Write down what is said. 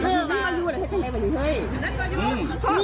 คือบ่นฝังทำเนี้ย